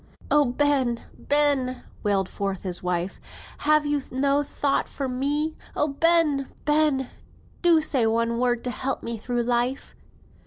"Oh, Ben! Ben!" wailed forth his wife, "have you no thought for me? Oh, Ben! Ben! do say one word to help me through life."